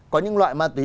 có những loại ma túy